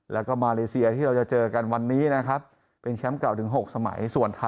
แล้วก็มาเลเซียที่เราจะเจอกันวันนี้นะครับเป็นแชมป์เก่าถึง๖สมัยส่วนไทย